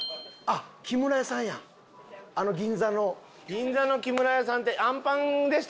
銀座の木村屋さんってあんぱんでした？